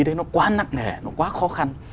đấy nó quá nặng nghẻ nó quá khó khăn